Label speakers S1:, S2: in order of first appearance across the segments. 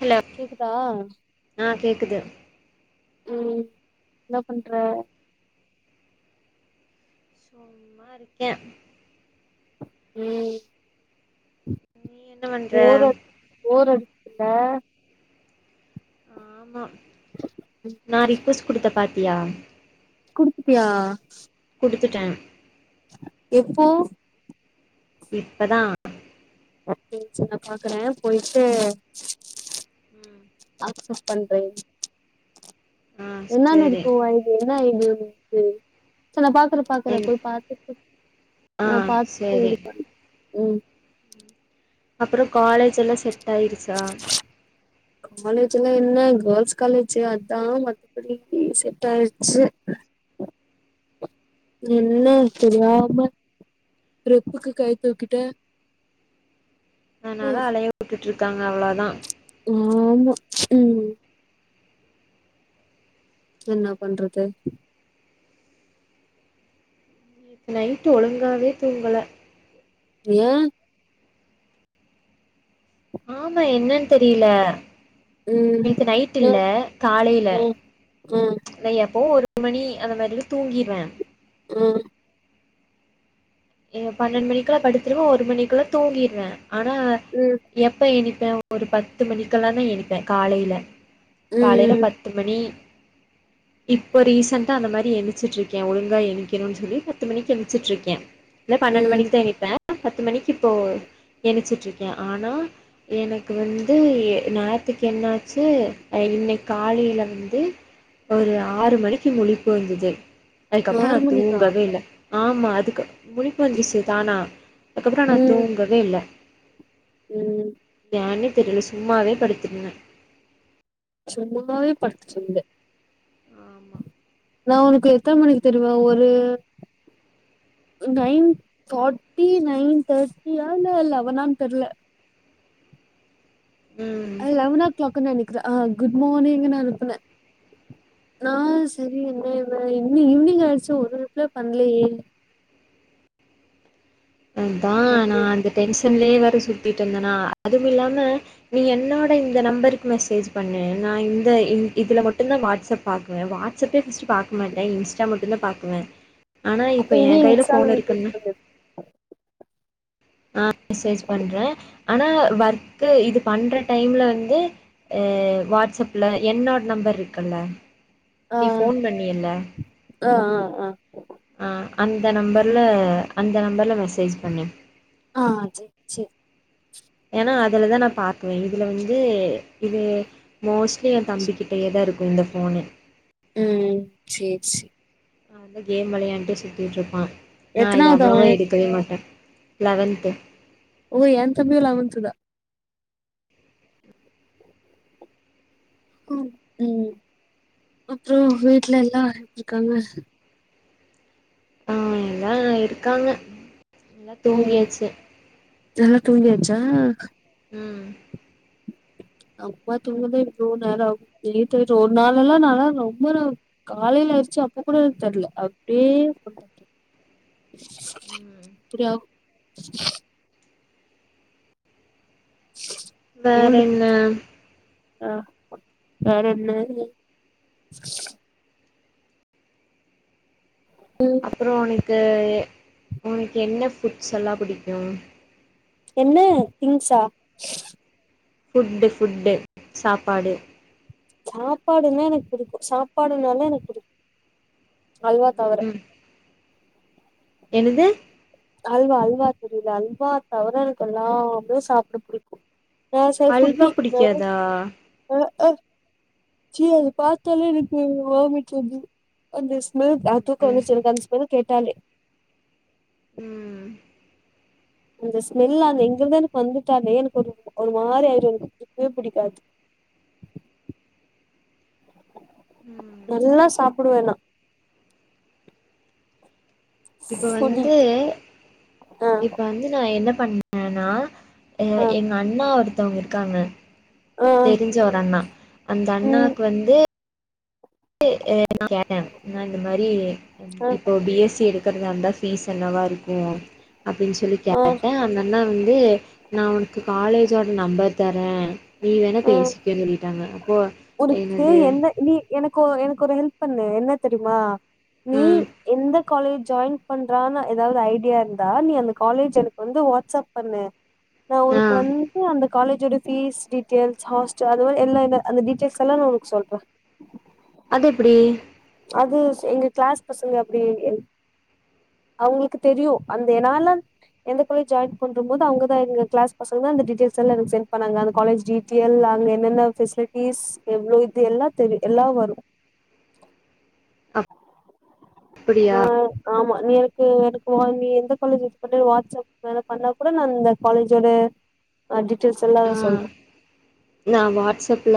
S1: Hello
S2: கேக்குதா
S1: ஆ கேக்குது
S2: ம் என்ன பண்ற
S1: சும்மா இருக்கே
S2: ம்
S1: நீ என்ன பண்ற
S2: போர போரடிக்தில்ல
S1: ஆமா நா ரிக்வஸ்ட் குடுத்த பாத்தியா
S2: குடுத்துட்டியா
S1: குடுத்துட்டே
S2: எப்போ
S1: இப்பதா
S2: நிம்ஷோ நா பாக்குற போய்ட்டு
S1: ம்
S2: ஆக்சப்ட் பண்றே
S1: ஆ
S2: என்னன்
S1: சேரி
S2: இருக்கு ஒ ஐ என்ன எழுதிருந்துச்சு சரி நா பாக்குற பாக்கறே
S1: என்
S2: போய் பாத்துட்டு ஆ பாத்துட்டு இது பன்ற ம்
S1: அப்றோ காலேஜ் எல்லா செட் ஆயிருச்சா
S2: காலேஜ் எல்லா என கேள்ஸ் காலேஜு அதா மத்தபடிக்கி செட் ஆயிருச்சு என்ன தெரியாம ரெப்புகு கை தூக்கிட்ட
S1: அதுனால அலைய விட்டுட்டு இருக்காங்க அவ்ளோதா
S2: ஆமா ம் எனா பண்றது
S1: நைட்டு ஒழுங்காவே தூங்கல
S2: ஏ
S1: ஆமா என்னனு தெரியல
S2: ம்.
S1: நேத்து நைட் இல்ல
S2: ம்,
S1: காலைல
S2: ம், ம்,
S1: இல்லயாப்போவு ஒரு மணி அந்த மாரில தூங்கிடுவே
S2: ம்
S1: இங்க பன்னெண்டு மணிக்குள்ள படுத்துருவே ஒரு மணிக்குள்ள தூங்கிடுறே ஆனா
S2: ம்
S1: எப்ப எணிப்பே ஒரு பத்து மணிக்கெல்லா தா எணிப்பே காலைல காலையில
S2: ம்,
S1: பத் து மணி இப்போ ரீசெண்டா அந்த மாரி எழுச்சிட்டுருக்கே ஒழுங்கா எண்கிணுனு சொல்லி பத்து மணிக்கு எழுச்சிட்டுருக்கே இல்ல பன்னெண்டு
S2: ம்.
S1: மணிக்கு தா எழுந்திருப்பே பத்து மணிக்கு இப்போ எந்திச்சிட்டு இருக்கே ஆனா எனக்கு வந்து நேத்துக்கு என்னாச்சு அ இன்னிக் காலைலந்து ஒரு ஆறு மணிக்கு முழிப்பு வந்துது அதுக்கப்றோ நா
S2: மணிக்கா?
S1: தூங்கவே இல்ல ஆமா அதுக் முழிப்பு வந்துச்சு தானா அதுக்கப்றோ நா
S2: ம்,
S1: தூங்கவே இல்ல
S2: ம்.
S1: ஏன்னே தெரில சும்மாவே படுத்திருந்தே
S2: ச்சும்மாவே படுத்துட்ரிந்த
S1: ஆமா
S2: நா உனக்கு எத்தன மணிக்கு தெரியுமா ஒரு நைன் ஃபட்டி நைன் தேட்டியா இல்ல லெவனானு தெர்ல
S1: ம்.
S2: லெவன் ஓ கிளாக்குனு நினைக்கிறே ஆ குட் மார்னிங்னு அனுப்புன நா சரி என்ன இவ இன்னு ஈவினிங் ஆயிடுச்சு ஒரு ரிப்ளையு பண்ணலேயே
S1: அதா நா
S2: அப்டின்னு.
S1: அந்த டென்ஷன்லயே வேற சுதிட்டு இருந்தேனா அதும் இல்லாம நீ என்னோட இந்த நம்பருக்கு மெசேஜ் பண்ணு நா இந்த இதுல மட்டுதா வாட்ஸ்அப் பாக்குவே வாடஸ் ஃபஸ்டு பாக்க மாட்டே இன்ஸ்டா மட்டுதா பாக்குவே ஆனா
S2: அப்ப
S1: இப்ப
S2: இனி
S1: என் கையில
S2: இன்ஸ்டால
S1: ஃபோனு
S2: மெசேஜ்
S1: இருக்குனு
S2: பண்ணிரு.
S1: ஆ மெசேஜ் பண்றே ஆனா ஒர்க்கு இது பண்ற டைம்ல வந்து வாட்ஸ்அப்ல என்னோட நம்பர் இருக்குல்ல
S2: ஆ,
S1: நீ ஃபோன் பண்ணில்ல
S2: ஆ, ஆ, ஆ.
S1: ஆ அந்த நம்பரில அந்த நம்பரில மெசேஜ் பண்ணி
S2: ஆ சேரி சேரி
S1: எனா அதுலதா நா பாக்குவே இதுல வந்து இது மோஸ்ட்லி என் தம்பிக்கிட்டேயே தா இருக்கு இந்த ஃபோனு
S2: ம் சேரி சேரி
S1: அவன் தா கேம் விளையான்டு சுத்திட்டு இருப்பா நா இது
S2: எத்தனாவது
S1: அவ்ளவா
S2: அவன்?
S1: எடுக்கவே மாட்டே லவன்து
S2: ஓ ஏன் தம்பியு லவன்த்துதா ம் அப்புறோ வீட்ல எல்லா எப்டிருக்காங்க
S1: ஆ எல்லா இருக்காங்க எல்லா தூங்கியாச்சு
S2: எல்லா தூங்கியாச்சா
S1: ம்
S2: அம்மா தூங்கதா இவ்ளோ நேரொ ஆகு [unintelligible] ஒரு நாளளா நால்லா ரொம்ப [unintelligible] காலையில ஆயிர்ச்சி அப்ப கூட எனக்கு தெர்ல அப்டியே சொல்ற
S1: ம்
S2: இப்டி ஆகூ
S1: வேற என்ன
S2: [unintelligible] ஆ வேற என்ன ம்
S1: அப்புறோ ஒனக்கு ஒனக்கு என்ன ஃபுட்ஸ் எல்லாம் புடிக்கூ
S2: என்ன திங்ஸா
S1: ஃபுட்டு ஃபுட்டு சாப்பாடு
S2: சாப்பாடுன்னா எனக்கு பிடிக்கூ சாப்பாடுனாலே எனக்கு பிடிக்கூ அல்வா தவர
S1: ம் என்னது
S2: அல்வா அல்வா தெரியுல அல்வா தவற எனக்கு எல்லாமே சாப்ட புடிக்கூ [unintelligible] அ
S1: அல்வா பிடிக்காதா
S2: அ ச்சீ அது பாத்தாலே எனக்கு வாமிட் வந்துரு அந்த ஸ்மெல் அ தூக்கொ
S1: ம்
S2: வந்துருச்சி எனக்கு அந்த ஸ்மெல் கேட்டாலே
S1: ம்
S2: அந்த ஸ்மெல்லு அந்த எங்கதா எனக்கு வந்துட்டாலே எனக்கு ஒரு மாதிரி ஆயிரு எனக்கு புடிக்கவே புடிக்காது
S1: ம்
S2: நல்லா சாப்புடுவே நா
S1: இப்ப
S2: ஃபுடி
S1: வந்து
S2: ஆ
S1: இப்ப வந்து நா என்ன பண்ணன்னா ஆ எங்க அண்ணா ஒருத்தவுங்க இருக்காங்க
S2: ஆ
S1: தெரிஞ்ச ஒரு அண்ணா அந்த
S2: ம்
S1: அண்ணாக்கு வந்து [inaudible] கேட்ட ண்ணா இந்த மாரி
S2: ஆ
S1: இப்போ பி எஸ் சி எடுக்கறதா இருந்தா ஃபீஸ் என்னவா இருக்கூ அப்டின்னு சொல்லி
S2: ஆ
S1: கேட்டேன் அந்தண்ணா வந்து நா ஒனக்கு காலேஜோட நம்பர் தரேன் நீ வேணா பேசிக்கன்னு சொல்லிட்டாங்க அப்போ
S2: உனுக்கு
S1: என்னது
S2: என்ன நீ எனக்கோ எனக்கொரு ஹெல்ப் பண்ணு என்ன தெரியுமா நீ
S1: ம்
S2: எந்த காலேஜ் ஜாயின் பண்றான்னு எதாவ்து ஐடியா இருந்தா நீ அந்த காலேஜ் எனக்கு வந்து வாட்ஸ்அப் பண்ணு நா
S1: ஆ
S2: உனுக்கு வந்து அந்த காலேஜோட ஃபீஸ் டீட்டியெல்ஸ் ஹாஸ்டல் அது மாரி எல்லா அந்த டீட்டியெல்ஸ் ஸெல்லாம உனக்கு சொல்ற
S1: அதெப்டி
S2: அது எங்க க்ளாஸ் பசங்க அப்டி அவுங்களுக்கு தெரியு அந்த நாலா எந்த காலஜ் ஜாயின் பண்ணும் போது அவுங்கதா எங்க கிளாஸ் பசங்க அந்த டீட்டியெல்ஸ்லா எனக்கு சென் பண்ணாங்க அந்த காலேஜ் டி எல்லாமே அங்க என்னென்ன ஃபெசிலிட்டிஸ் எவ்ளோ இது எல்லா தெரியு எல்லா வரு ஆ
S1: அப்படியா?
S2: ஆமா நீ எனக்கு எனக்கு நீ எந்த காலேஜ் பண்ண வாட்ஸ்அப்வ பண்ணா கூட நா இந்த காலேஜோட ஆ டீட்டெய்ல்ஸ் எல்லா
S1: ஆ
S2: சொல்ற
S1: நா வாட்ஸ்அப்ல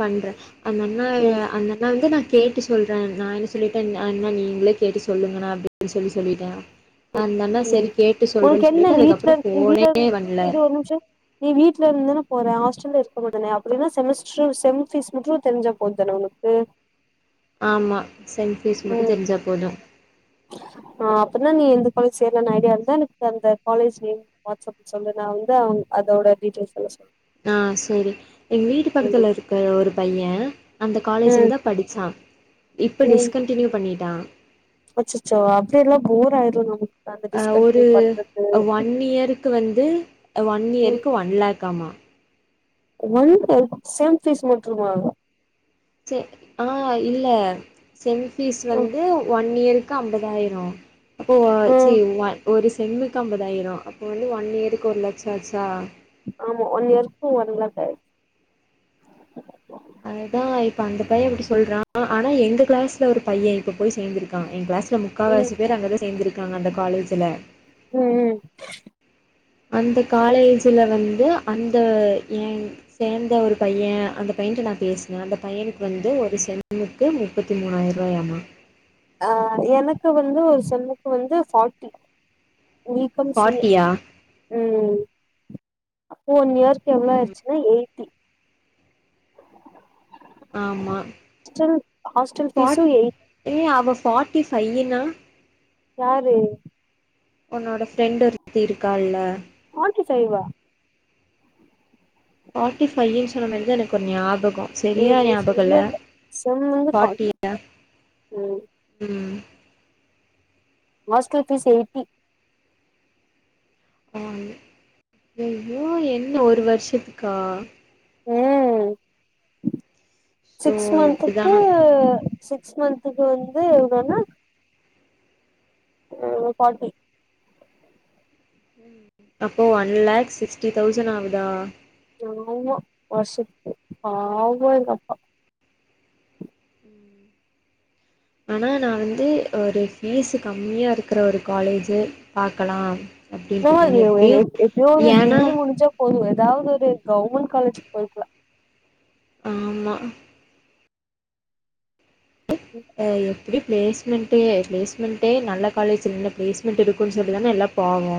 S1: பண்றே அந்தண்ணா
S2: ம்
S1: அந்தண்ணா வந்து நா கேட்டு சொல்றே நா என்ன சொல்லிட்டே அண்ணா நீங்களே கேட்டு சொல்லுங்கணா அப்டின் சொல்லி சொல்லிட்டே அந்த அண்ணா
S2: ம்
S1: செரி கேட்டு
S2: உனக்கு
S1: சொல்றேன்
S2: என்ன
S1: சொல்லிட்டு
S2: நீ வீட்ல
S1: அதுக்கப்ற
S2: நீ வீட்ல
S1: ஃபோனே வண்ல
S2: இரு ஒரு நிமிஷோ நீ வீட்ல இருந்துதான போற ஹாஸ்டல்ல இருக்க மாட்டல அப்டினா செமஸ்ட்ரு செம் ஃபீஸ் மட்டு தெரிஞ்சாப் போதுதான உனக்கு
S1: ஆமா செம் ஃபீஸ் மட்டு
S2: ம்
S1: தெரிஞ்சா போது
S2: ஆ அப்பிட்னா நீ எந்த காலேஜ் சேரலானு ஐடியா இருந்தா எனக்கு அந்த காலேஜ் நேம் வாட்ஸ் அப்ல சென்ட் பண்ணு நா வந்து அவ்ங் அதோட டீட்டெய்ல்ஸ் எல்லா சொல்லறே
S1: ஆ சேரி எங்க வீட்டு பக்கத்துல இருக்கிற ஒரு பைய அந்த
S2: ம்
S1: காலேஜ்ஜுலதா படிச்சா இப்ப
S2: ம்
S1: டிஸ்கண்டினியூ பண்ணிட்டா
S2: அச்சச்சோ அப்டியெல்லா போர் ஆயிரு நம்
S1: அ ஒரு ஒன் இயருக்கு வந்து அ ஒன்
S2: ம்
S1: இயருக்கு ஒன் லேக்காமா
S2: ஒன் லேக் செம் ஃபீஸ் மட்டுமா
S1: செ ஆ இல்ல செம் ஃபீஸ்
S2: ம்
S1: வந்து ஒன் இயருக் கு அம்பதாயிர ஓ சி
S2: ம்
S1: ஒன் ஒரு செம்முக்கு ஐம்பதாயிர அப்ப வந்து ஒன் இயருக்கு ஒரு லெட்ச ஆச்சா
S2: ஆமா ஒன் இயர்க்கு ஒன் லேக் ஆயிரு
S1: அதுதா இப்ப அந்த பைய அப்டி சொல்றா ஆனா எங்க கிளாஸ்ல ஒரு பைய இப்ப போய் சேந்திருக்கா எ கிளாஸ்ல முக்
S2: ம்
S1: முக்காவாசி பேரு அங்க தா சேந்திருக்காங்க அந்த காலேஜுல
S2: ம் ம்
S1: அந்த காலேஜுல வந்து அந்த எங் சேந்த ஒரு பைய அந்த பையன்ட்ட நா பேசுனே அந்த பையனுக்கு வந்து ஒரு செம்மு க்கு முப்பத்தி மூணாயிர ரூவாயாமா
S2: ஆ எனக்கு வந்து ஒரு செம்முக்கு வந்து ஃபார்ட்டி நீக்கம் செய்யு
S1: ஃபாட்டியா
S2: ம் அப்போ ஒன் இயர் இப்ப எவ்ளோ ஆய்டுச்சுனா எயி
S1: ஆமா
S2: ஸ்டில் ஹாஸ்டல் ஃபீஸு
S1: ஃபாட்
S2: எயிட்
S1: ஏ அவ ஃபார்ட்டி ஃபையினா
S2: யாரு
S1: ஒன்னோட ஃப்ரெண்ட்டு ஒருத்தி இருக்கால்ல
S2: ஃபார்ட்டி ஃபைவ்வா
S1: ஃப்பாட்டி ஃபையின் சொன்ன மாரிதா எனக்கு ஒரு ஞாபக செரியா ஞாபக இல்ல
S2: செம் வந்து ஃபார்ட்டி
S1: ஃபார்ட்டினு
S2: ம்
S1: ம்
S2: ஹாஸ்டல் ஃபீஸ் எயிட்டி
S1: ஆமா ஐயோ என்ன ஒரு வர்ஷத்துக்கா
S2: ம்
S1: சோ
S2: சிக்ஸ் மந்த்துக்கு
S1: எப்டிதானோ
S2: சிக்ஸ் மந்த்துக்கு வந்து எவ்ளோனா ம் ஃபார்ட்டி
S1: அப்போ ஒன் லேக் சிக்ஸ்டி தௌசண்ட் ஆவுதா
S2: ம் ஆமா வர்ஷத்துக்கு பாவ எங்கப்பா
S1: ஆனா நா வந்து ஒரு ஃபீஸு கம்மியா இருக்கிற ஒரு காலேஜு பாக்கலா அப்டின்ருக்கே எப்டியு
S2: ஏதோ எப்டியோ ஒரு
S1: ஏன்னா
S2: டிகிரி முடிச்சா போது எதாவ்து ஒரு கவர்மெண்ட் காலேஜ்க்கு போய்க்லா
S1: ஆமா ஆ எப்டி பிளேஸ்மெண்ட்டு ப்ளேஸ்மெண்ட்டே நல்ல காலேஜ்ஜுல நல்ல பிளேஸ்மெண்ட் இருக்குன் சொல்லி தான எல்லா ட்டாங்க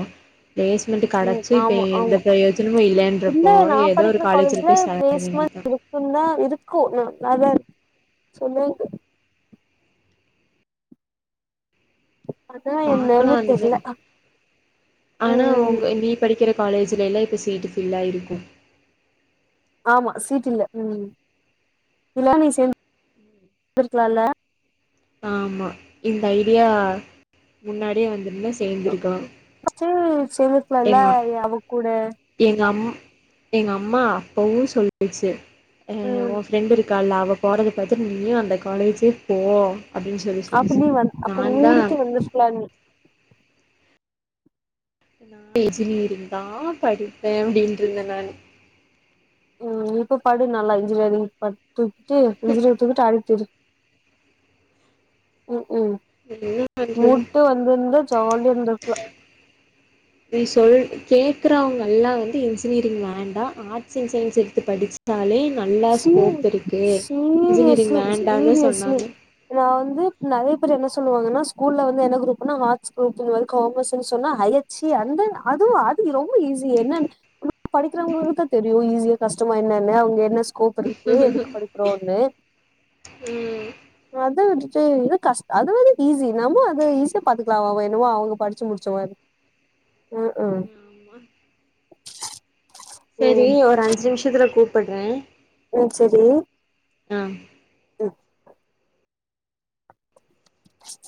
S1: ப்ளேஸ்மெண்ட்டு
S2: ம்
S1: கெடச்சு இப்ப
S2: ஆமா
S1: எந்த
S2: ஆமா
S1: பிரயோஜனமு
S2: இல்ல
S1: இல்லன்றப்போ
S2: நா
S1: எதோ ஒரு
S2: படிக்கிற
S1: காலேஜ்ல போய் சேர வேண்டியத்
S2: பிளேஸ்மெண்ட் இருக்குந்தா இருக்கு ந நல்லாதா இருக் சொன்னாங்க ஆனா
S1: பாக்கலா
S2: என்னன்னு
S1: நீங்க
S2: தெர்ல
S1: ஆனா
S2: ம்
S1: உங்க நீ படிக்கிற காலேஜுல எல்லா இப்போ சீட் ஃபுல்லா இருக்கு
S2: ஆமா சீட் இல்ல ம் ம் இல்ல நீ சேந் வந்துருக்லால்ல
S1: ஆமா இந்த ஐடியா முன்னாடியே வந்துர்ந்தா சேர்ந்துருக்கலா
S2: பச்சின் சேர்ந்துருக்கலால்ல ஏ அவ கூட
S1: எங்க அம் எங்க அம்மா அப்பவு சொல்லுச்சு ஏ
S2: ம்
S1: ஒ ஃப்ரெண்ட்டுருக் கால அவ போறத பாத்துட் நீயு அந்த காலேஜு போ அப்டின்னு சொ
S2: அப்ப நீ வந் அப்ப [unintelligible] வந்துருக்கலான் நீ
S1: ஏ இன்ஜினியருக்குதா படிப்பே அப்டின்ட்ருந்தே நானு
S2: ம் இப்ப படு நல்லா இன்ஜினியரிங் ப தூக்கிட்டு இன்ஜினியரிங் தூக்கிட்டு அழுத்திரு ம் ஹும் [unintelligible] வந்துருந்தா ஜாலியா இருந்துருக்கலா
S1: நீ சொல் கேக்குறவுங்க எல்லா வந்து இன்ஜினியரிங் வேண்டா ஆர்ட்ஸ் அண்ட் சயின்ஸ் எடுத்து படிச்சு தாலே நல்லா
S2: சீ
S1: ஸ்கோப் இருக்கு இன்ஜினியரிங்
S2: சீரியஸ்லி
S1: வேண்டானு
S2: சீரியஸ்லி
S1: சொன்னாங்க
S2: நா வந்து நெறையா பேர் என்ன சொல்லுவாங்கன்னா ஸ்கூல்ல வந்து என்ன குரூப்னா நாங்க ஆட்ஸ் குரூப்னு சொல்றது காமஸ்ன்னு சொன்னா ஹையர் சீ அந்து அதுவா அது ரொம்ப ஈஸி என்னன்னு படிக்கிறவுங்களுக்குதா தெரியு ஈஸியா கஷ்டமா என்னன்னு அவுங்க என்ன ஸ்கோப் இருக்கு எதுக்கு படிக்கிறோன்னு
S1: ம்
S2: அத விட்டுட்டு இது கஷ் அது வந்து ஈஸி நம்மு அது ஈஸியா பாத்துக்கலா அவ அவ என்னமோ அவுங்க படிச்சு முடுச் ச்ச மாரி ம் ஹும்
S1: ஆமா சேரி ஒரு அஞ்சு நிமிஷத்துல கூப்புற்றே
S2: ம் செரி
S1: ஆ
S2: ம் இச்